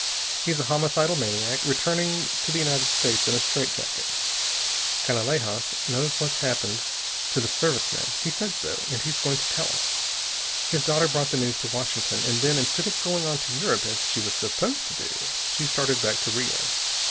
He's a homicidal maniac, returning to the United States in a straight jacket. Canalejas knows what's happened to the Service men. He said so, and he's going to tell us. His daughter brought the news to Washington, and then instead of going on to Europe as she was supposed to do, she started back to Rio.